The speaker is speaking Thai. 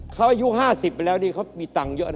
เขาอายุ๕๐ไปแล้วนี่เขามีตังค์เยอะ